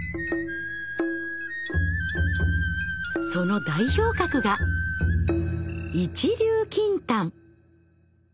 その代表格が「一粒金丹」。